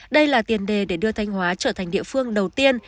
đây là tiền đề để đưa thanh hóa trở thành địa phương đầu tiên